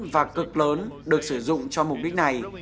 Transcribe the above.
và cực lớn được sử dụng cho mục đích này